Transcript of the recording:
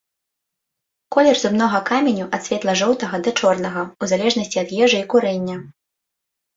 Колер зубнога каменю ад светла-жоўтага да чорнага ў залежнасці ад ежы і курэння.